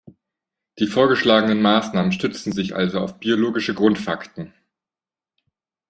Die vorgeschlagenen Maßnahmen stützen sich also auf biologische Grundfakten.